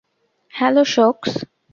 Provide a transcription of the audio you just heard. Hello, সোকস।